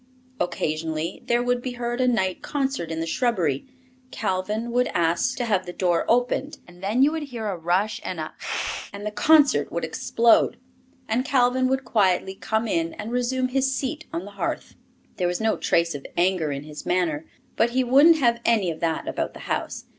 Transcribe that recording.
Occasionally there would be heard a night concert in the shrubbery. Calvin would ask to have the door opened, and then you would hear a rush and a "pestzt," and the concert would explode, and Calvin would quietly come in and resume his seat on the hearth. There was no trace of anger in his manner, but he wouldn't have any of that about the house.